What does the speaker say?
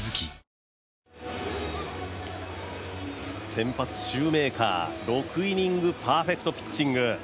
先発・シューメーカー６イニングパーフェクトピッチング。